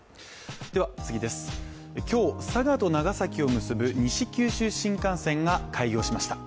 今日、佐賀と長崎を結ぶ西九州新幹線が開業しました。